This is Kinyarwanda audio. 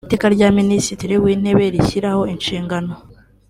Iteka rya Minisitiri w’Intebe rishyiraho inshingano